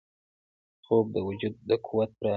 خوب د وجود د قوت راز دی